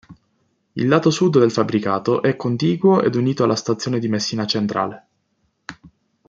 Il lato sud del fabbricato è contiguo ed unito alla stazione di Messina Centrale.